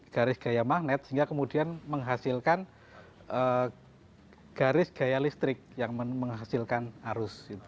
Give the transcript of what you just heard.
garis gaya magnet sehingga kemudian menghasilkan garis gaya listrik yang menghasilkan arus